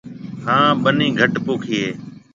ھان ٻنِي گھٽ پوکيَ ھيََََ